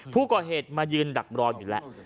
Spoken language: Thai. ผู้ก่อเหตุมายืนดักรออยู่แล้ว